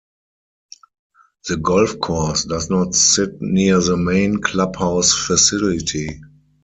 The golf course does not sit near the main clubhouse facility.